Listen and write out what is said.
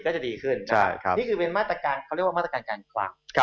นี่คือเป็นมาตรการเขาเรียกว่ามาตรการการคลัง